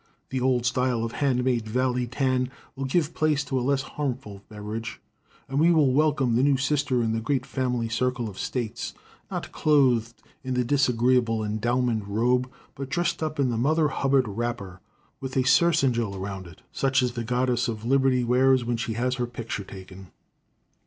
The old style of hand made valley tan will give place to a less harmful beverage, and we will welcome the new sister in the great family circle of States, not clothed in the disagreeable endowment robe, but dressed up in the Mother Hubbard wrapper, with a surcingle around it, such as the goddess of liberty wears when she has her picture taken.